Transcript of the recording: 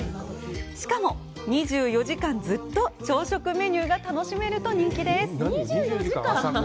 しかも、２４時間、ずっと朝食メニューが楽しめると人気です。